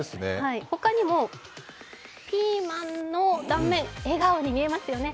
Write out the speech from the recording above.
ほかにもピーマンの断面笑顔に見えますよね。